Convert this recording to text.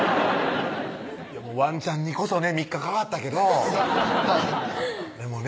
ワンちゃんにこそね３日かかったけどでもね